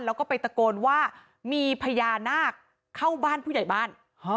แล้วก็ไปตะโกนว่ามีพญานาคเข้าบ้านผู้ใหญ่บ้าน